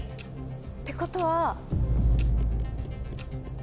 ⁉ってことは。